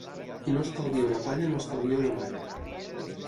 Qui no estalvia una palla no estalvia una malla.